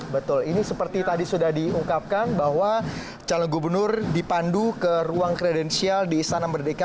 betul ini seperti tadi sudah diungkapkan bahwa calon gubernur dipandu ke ruang kredensial di istana merdeka